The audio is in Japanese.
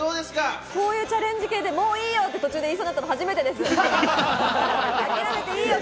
こういうチャレンジ系で、もういいよって途中で言いそうになったの初めてです。